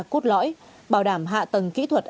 cốt lõi bảo đảm hạ tầng kỹ thuật